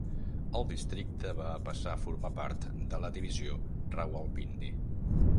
El districte va passar a formar part de la divisió Rawalpindi.